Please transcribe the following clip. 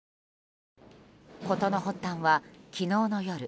事の発端は昨日の夜